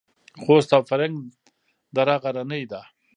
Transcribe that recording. خوست او فرنګ دره غرنۍ ده؟